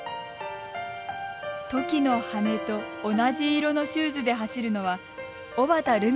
トキの羽と同じ色のシューズで走るのは、尾畑留美子さん。